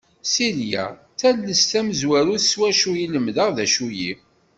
Silya d tallest tamezwarut s wacu i lemdeɣ d acu-yi.